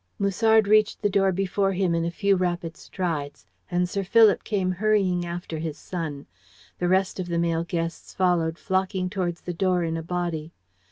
Musard reached the door before him in a few rapid strides, and Sir Philip came hurrying after his son. The rest of the male guests followed, flocking towards the door in a body.